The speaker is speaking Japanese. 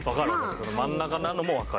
その真ん中なのもわかる。